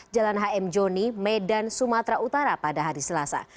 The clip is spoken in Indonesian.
jalan hm joni medan sumatera utara pada hari selasa